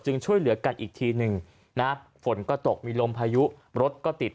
ช่วยเหลือกันอีกทีหนึ่งนะฝนก็ตกมีลมพายุรถก็ติด